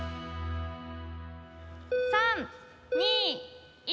３２１。